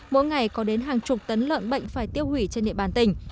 mỗi ngày có đến hàng chục tấn lợn bệnh phải tiêu hủy trên địa bàn tỉnh